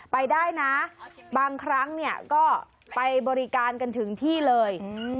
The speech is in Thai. ไปได้นะบางครั้งเนี่ยก็ไปบริการกันถึงที่เลย